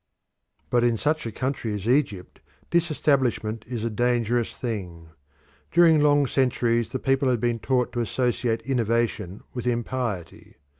But in such a country as Egypt Disestablishment is a dangerous thing. During long centuries the people had been taught to associate innovation with impiety.